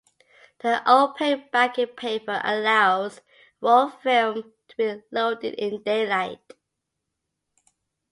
The opaque backing paper allows roll film to be loaded in daylight.